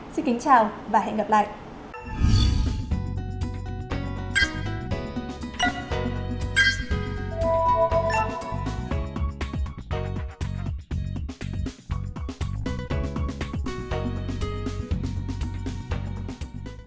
xin kính chào và hẹn gặp lại